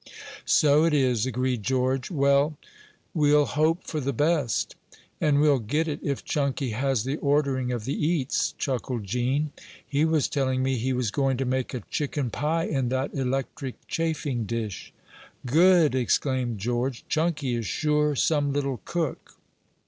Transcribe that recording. "So it is," agreed George. "Well, we'll hope for the best." "And we'll get it, if Chunky has the ordering of the eats," chuckled Gene. "He was telling me he was going to make a chicken pie in that electric chafing dish." "Good!" exclaimed George. "Chunky is sure some little cook!"